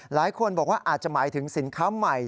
หลายคนบอกว่าอาจจะหมายถึงสินค้าใหม่